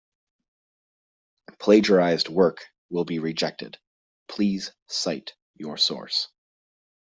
Plagiarized work will be rejected, please cite your source.